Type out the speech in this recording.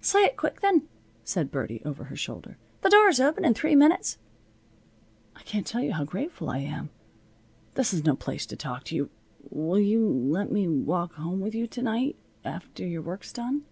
"Say it quick then," said Birdie, over her shoulder. "The doors open in three minnits." "I can't tell you how grateful I am. This is no place to talk to you. Will you let me walk home with you to night after your work's done?"